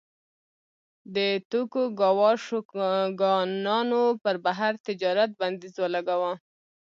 د توکوګاوا شوګانانو پر بهر تجارت بندیز ولګاوه.